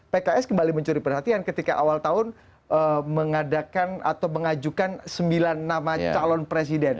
pks kembali mencuri perhatian ketika awal tahun mengadakan atau mengajukan sembilan nama calon presiden